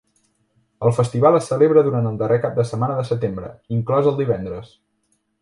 El festival es celebra durant el darrer cap de setmana de setembre, inclòs el divendres.